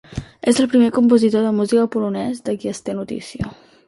És el primer compositor de música polonès de qui es té notícia.